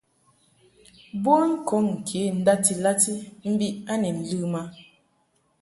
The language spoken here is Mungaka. Bon kɔŋ kə ndati lati mbi a ni ləm a.